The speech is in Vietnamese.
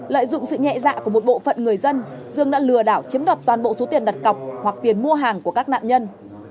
lợi dụng sự nhẹ dạ của một bộ phận người dân dương đã lừa đảo chiếm đoạt toàn bộ số tiền đặt cọc hoặc tiền mua hàng của các nạn nhân